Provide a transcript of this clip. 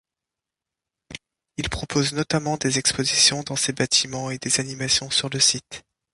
Il propose notamment des expositions dans ses bâtiments et des animations sur le site.